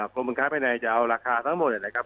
กรมบังคับให้ไหนจะเอาราคาทั้งหมดนะครับ